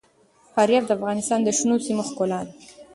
فاریاب د افغانستان د شنو سیمو ښکلا ده.